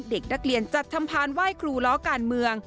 เด็กนักเรียนจัดทำพานไหว้ครูล้อการเมือง